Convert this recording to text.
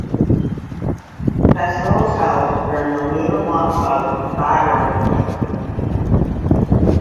The festival is held during the lunar month of Bhadra.